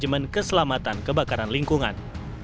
manajemen keselamatan kebakaran lingkungan